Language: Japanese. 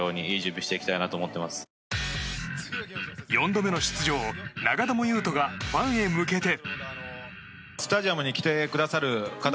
４度目の出場、長友佑都がファンへ向けて。